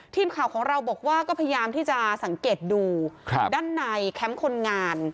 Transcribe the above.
ทีมข่าวของเราบอกว่าก็พยายามที่จะสังเกตดูด้านในแคมป์คนงาน